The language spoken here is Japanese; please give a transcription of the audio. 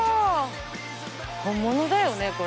本物だよね？